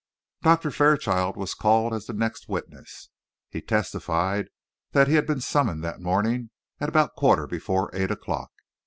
Doctor Fairchild was called as the next witness. He testified that he had been summoned that morning at about quarter before eight o'clock.